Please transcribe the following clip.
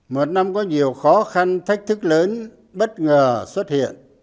một năm có nhiều khó khăn thách thức lớn bất ngờ xuất hiện